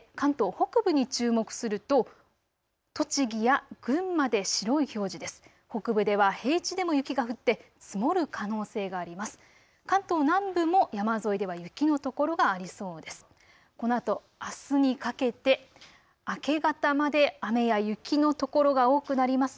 北部では平地でも雪が降って積もる可能性があります。